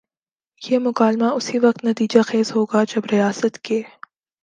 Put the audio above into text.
یہ مکالمہ اسی وقت نتیجہ خیز ہو گا جب ریاست کے